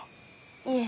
いえ。